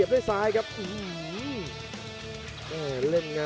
ชาเลน์